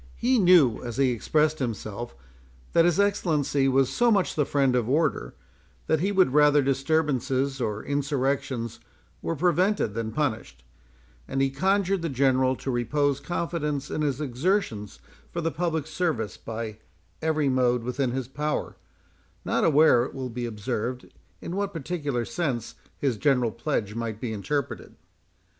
He knew (as he expressed himself) that his Excellency was so much the friend of order, that he would rather disturbances or insurrections were prevented than punished; and he conjured the General to repose confidence in his exertions for the public service by every mode within his power; not aware, it will be observed, in what peculiar sense his general pledge might be interpreted.